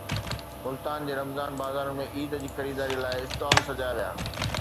ملتان جي رمضان بازارن ۾ عيد جي خريداريءَ لاءِ اسٽال سجايا ويا